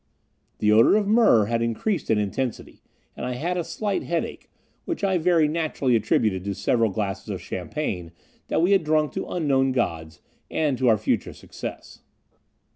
The odor of myrrh had increased in intensity, and I had a slight headache, which I very naturally attributed to several glasses of champagne that we had drunk to unknown gods, and to our future success.